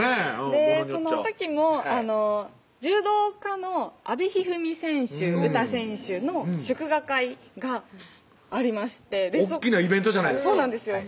その時も柔道家の阿部一二三選手・詩選手の祝賀会がありまして大っきなイベントじゃないですかそうなんですよ